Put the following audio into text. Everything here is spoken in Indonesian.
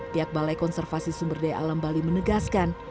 pihak balai konservasi sumber daya alam bali menegaskan